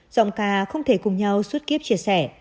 giọng ca không thể cùng nhau suốt kiếp chia sẻ